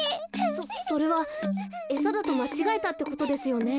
そそれはえさだとまちがえたってことですよね。